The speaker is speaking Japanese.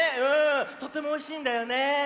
とてもおいしいんだよね。